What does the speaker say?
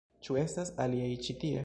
Ĉu estas aliaj ĉi tie?